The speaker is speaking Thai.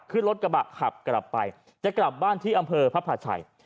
ขึ้นรถกระบะขับกลับไปจะกลับบ้านที่อำเภอพระพาชัย